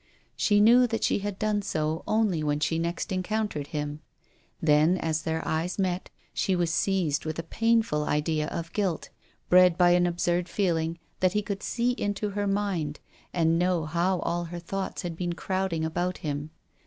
She knew that she had done so only when she next encountered him. Then, as their eyes met she was seized with a painful idea of guilt, bred by an absurd feeling that he could see into her mind, and know how all her thoughts had been THE DEAD CHILD. 195 crowding about him.